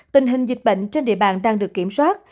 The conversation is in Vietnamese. tình hình dịch bệnh trên địa bàn đang được kiểm soát